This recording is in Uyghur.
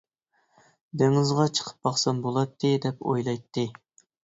«دېڭىزغا چىقىپ باقسام بۇلاتتى» دەپ ئويلايتتى.